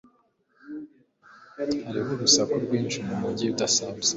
Hariho urusaku rwinshi mumujyi usanzwe.